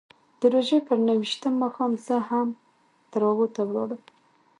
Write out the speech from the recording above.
د روژې پر نهه ویشتم ماښام زه هم تراویحو ته ولاړم.